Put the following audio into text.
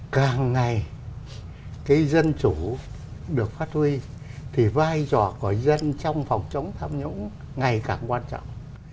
càng ngày cái dân chủ được phát huy thì vai trò của dân trong phòng chống tham nhũng ngày càng quan trọng